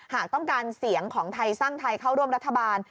หากต้องการเสียงของไทยสร้างไทยเข้าร่วมรัฐบาล